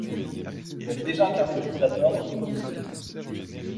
Il avait déjà incarné le Predator dans le premier film.